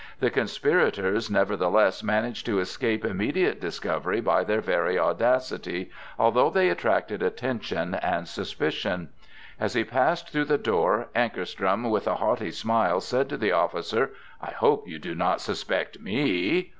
The conspirators nevertheless managed to escape immediate discovery by their very audacity, although they attracted attention and suspicion. As he passed through the door, Ankarström with a haughty smile said to the officer: "I hope you do not suspect me?"